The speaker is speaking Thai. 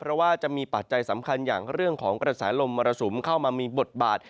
เพราะว่าจะมีปัจจัยสำคัญอย่างเรื่องของกระแสลมมรสุมเข้ามามีบทบาท